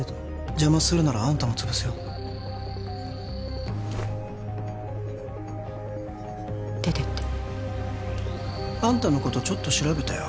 邪魔するならあんたも潰すよ出ていってあんたのことちょっと調べたよ